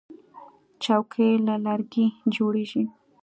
چوکۍ له لرګي جوړیږي.